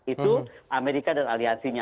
itu amerika dan aliasinya